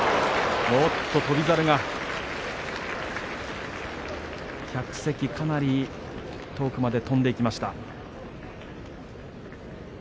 翔猿が客席、かなり遠くまで飛んでいきました。